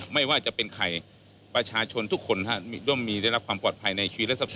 ไม่ว่าจะเป็นใครประชาชนทุกคนร่วมมีได้รับความปลอดภัยในชีวิตและทรัพ